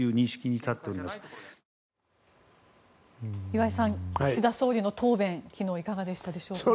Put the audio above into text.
岩井さん、岸田総理の答弁昨日、いかがでしたでしょうか。